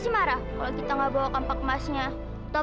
ingin kita belikan mascara